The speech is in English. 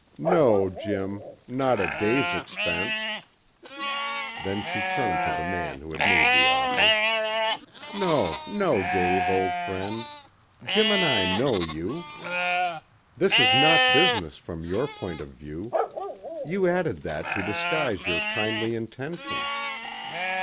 "No, Jim. Not at Dave's expense." Then she turned to the man who had made the offer. "No, no, Dave, old friend. Jim and I know you. This is not business from your point of view. You added that to disguise your kindly intention."